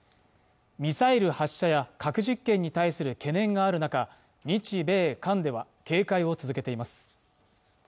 ミサイル発射や核実験に対する懸念がある中日米韓では警戒を続けています